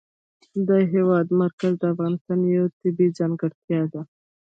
د هېواد مرکز د افغانستان یوه طبیعي ځانګړتیا ده.